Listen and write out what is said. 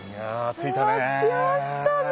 着きましたね。